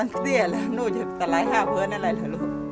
ก็ตาลายห้าเผื้อนอะไรแล้วลูก